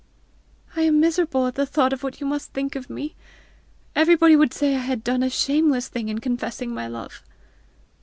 "I am miserable at the thought of what you must think of me! Everybody would say I had done a shameless thing in confessing my love!"